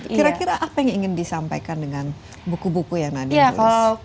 kira kira apa yang ingin disampaikan dengan buku buku yang ada di